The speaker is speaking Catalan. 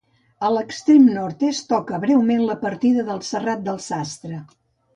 A l'extrem nord-est toca breument la partida del Serrat del Sastre.